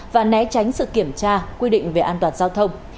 và né tránh sự kiểm tra quy định về an toàn giao thông